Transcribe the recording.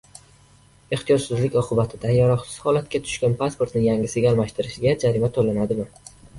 Ehtiyotsizlik oqibatida yaroqsiz holatga tushgan pasportni yangisiga almashtirganda jarima to`lanadimi?